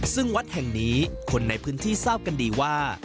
ซึ่งวัดแห่งนี้คนในพื้นที่ทราบกันดีว่า